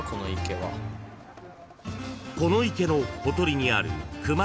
［この池のほとりにある］